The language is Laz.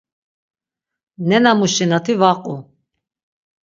Nenamuşi nati va qu.